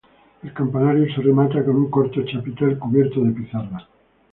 El campanario se remata con un corto chapitel cubierto de pizarra.